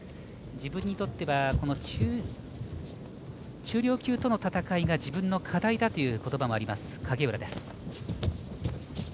自分にとっては中量級との戦いが自分の課題だということばもあります、影浦です。